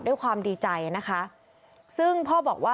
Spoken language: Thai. ด้วยความดีใจนะคะซึ่งพ่อบอกว่า